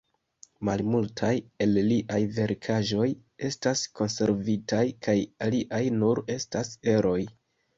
Malmultaj el liaj verkaĵoj estas konservitaj kaj aliaj nur estas eroj.